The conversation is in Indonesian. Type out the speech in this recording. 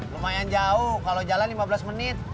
lumayan jauh kalau jalan lima belas menit